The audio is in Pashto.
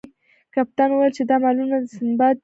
کپتان وویل چې دا مالونه د سنباد دي.